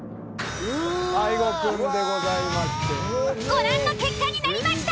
ご覧の結果になりました。